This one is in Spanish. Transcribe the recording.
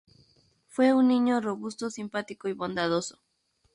Fue un niño robusto, simpático y bondadoso.